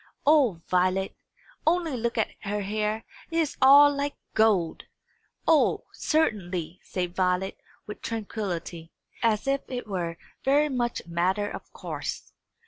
"O Violet, only look at her hair! It is all like gold!" "O, certainly," said Violet, with tranquillity, as if it were very much a matter of course.